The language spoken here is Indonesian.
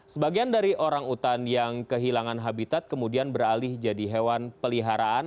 sebagian dari orang utan yang kehilangan habitat kemudian beralih jadi hewan peliharaan